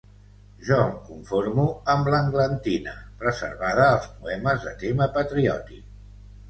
Jo em conformo amb l'englantina, reservada als poemes de tema patriòtic.